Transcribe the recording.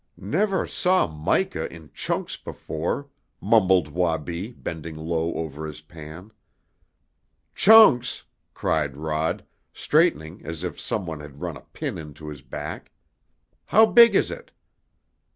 "Never saw mica in chunks before," mumbled Wabi, bending low over his pan. "Chunks!" cried Rod, straightening as if some one had run a pin into his back. "How big is it?"